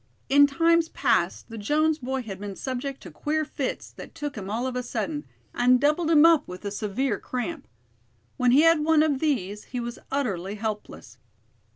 In times past the Jones boy had been subject to queer fits that took him all of a sudden, and doubled him up with a severe cramp. When he had one of these, he was utterly helpless.